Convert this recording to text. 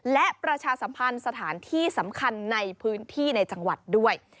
และประชาสัมพันธ์สถานที่สำคัญในพื้นที่ในจังหวัดด้วย